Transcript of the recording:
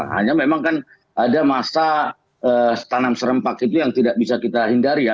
hanya memang kan ada masa tanam serempak itu yang tidak bisa kita hindari ya